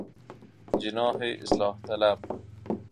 جناح اصلاح طلب